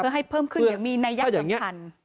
เพื่อให้เพิ่มขึ้นอย่างมีนัยยักษ์สำคัญ